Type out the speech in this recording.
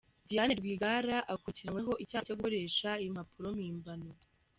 Diane Rwigara akurikiranyweho icyaha cyo gukoresha impapuro mpimbano.